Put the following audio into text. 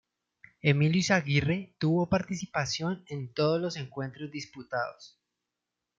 Emilio Izaguirre tuvo participación en todos los encuentros disputados.